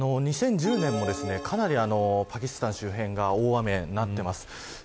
２０１０年も、かなりパキスタン周辺が大雨になっています。